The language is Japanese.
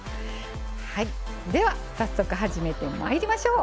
早速、始めてまいりましょう。